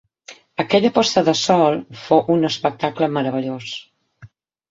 Aquella posta de sol fou un espectacle meravellós.